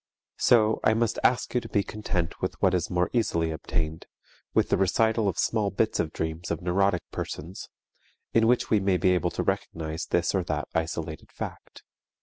So I must ask you to be content with what is more easily obtained, with the recital of small bits of dreams of neurotic persons, in which we may be able to recognize this or that isolated fact.